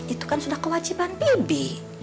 itu kan sudah kewajiban bibi